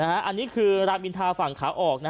อันนี้คือรามอินทาฝั่งขาออก